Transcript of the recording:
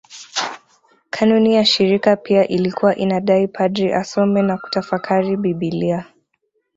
Kanuni ya shirika pia ilikuwa inadai padri asome na kutafakari Biblia